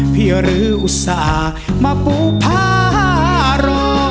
พี่ลื้ออุศามาปูพารอ